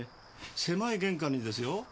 狭い玄関にですよ？